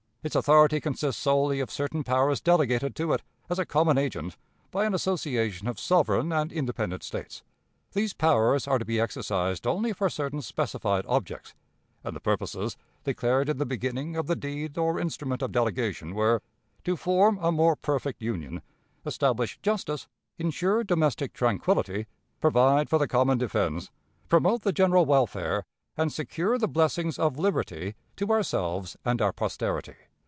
Its authority consists solely of certain powers delegated to it, as a common agent, by an association of sovereign and independent States. These powers are to be exercised only for certain specified objects; and the purposes, declared in the beginning of the deed or instrument of delegation, were "to form a more perfect union, establish justice, insure domestic tranquillity, provide for the common defense, promote the general welfare, and secure the blessings of liberty to ourselves and our posterity."